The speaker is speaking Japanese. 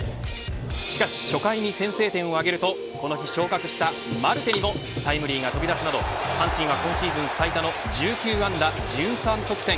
しかし、初回に先制点を挙げるとこの日昇格したマルテにもタイムリーが飛び出すなど阪神は今シーズン最多の１９安打１３得点。